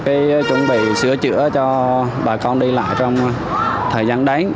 cái chuẩn bị sửa chữa cho bà con đi lại trong thời gian đấy